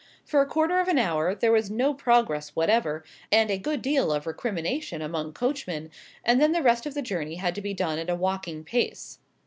For a quarter of an hour there was no progress whatever, and a good deal of recrimination among coachmen, and then the rest of the journey had to be done at a walking pace.